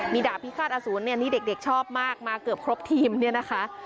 มีดาบพิฆาตอสูรเนี่ยนี่เด็กชอบมากมาเกือบครบทีมเนี่ยนะคะ